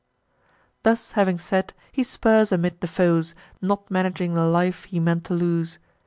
Thus having said, he spurs amid the foes, Not managing the life he meant to lose.